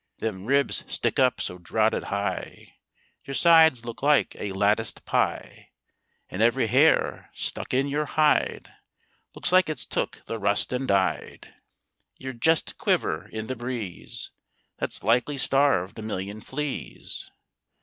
Them ribs stick up so drotted high Your sides look like a latticed pie, And every hair stuck in your hide Looks like it's took the rust and died! You're jest a quiver in the breeze That's likely starved a million fleas.